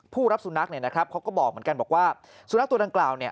ผู้รับสูนัขเขาก็บอกเหมือนกันบอกว่าสูนัขตัวดังกล่าว